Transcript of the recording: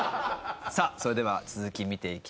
さあそれでは続き見ていきましょう。